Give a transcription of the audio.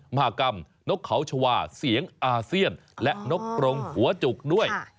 มหากรรมนกเขาชาวาเสียงอาเซียนและนกกรงหัวจุกด้วย